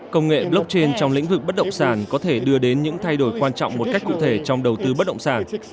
công nghệ blockchain trong lĩnh vực bất động sản có thể đưa đến những thay đổi quan trọng một cách cụ thể trong đầu tư bất động sản